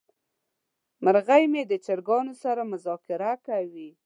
مرغه مې د چرګانو سره مذاکره کوي.